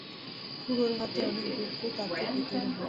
খুড়োর হাতে অনেক দুঃখ তাকে পেতে হল।